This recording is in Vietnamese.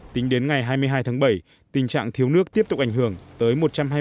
tính đến ngày hai mươi hai tháng bảy tình trạng thiếu nước tiếp tục ảnh hưởng tới một trăm hai mươi